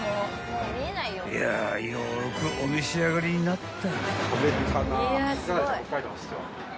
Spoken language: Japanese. ［いやよくお召し上がりになった］